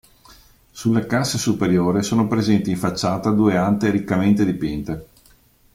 Sulla cassa superiore sono presenti, in facciata, due ante riccamente dipinte.